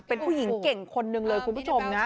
เป็นผู้หญิงเก่งคนหนึ่งเลยคุณผู้ชมนะ